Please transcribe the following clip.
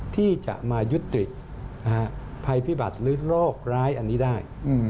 ที่จะมายุติภัยพิบัติหรือโรคร้ายอันนี้ได้